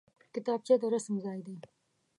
کتابچه د رسم ځای دی